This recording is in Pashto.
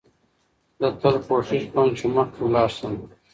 زه تل کوښښ کوم، چي مخکي ولاړ سم.